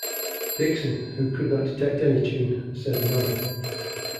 Dickson, who could not detect any tune, said no.